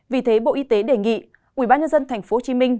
vì thế bộ y tế đề nghị ubnd tp hcm